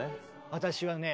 私はね